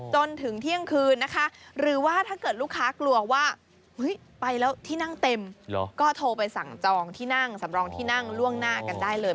จนถึงเที่ยงคืนนะคะหรือว่าถ้าเกิดลูกค้ากลัวว่าไปแล้วที่นั่งเต็มก็โทรไปสั่งจองที่นั่งสำรองที่นั่งล่วงหน้ากันได้เลย